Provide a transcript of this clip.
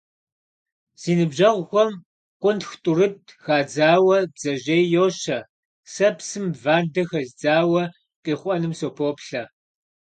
Си ныбжьэгъухэм къунтх тӏурытӏ хадзауэ бдзэжьей йощэ, сэ псым вандэ хэздзауэ, къихъуэнум сыпоплъэ.